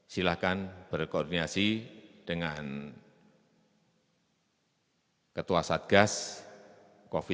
silahkan berkoordinasi dengan ketua satgas covid sembilan belas